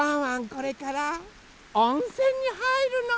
これからおんせんにはいるの。